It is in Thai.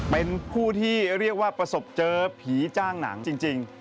เป็นผู้ที่เรียกว่าประสบเจอผีจ้างหนังจริง